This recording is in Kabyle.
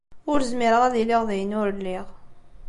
Ur zmireɣ ad iliɣ d ayen ur lliɣ.